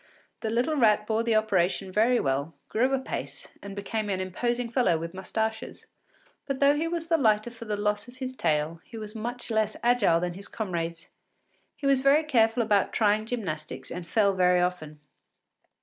The little rat bore the operation very well, grew apace, and became an imposing fellow with mustaches. But though he was the lighter for the loss of his tail, he was much less agile than his comrades; he was very careful about trying gymnastics and fell very often.